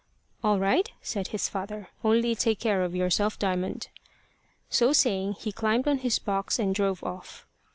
"All right," said his father. "Only take care of yourself, Diamond." So saying he climbed on his box and drove off.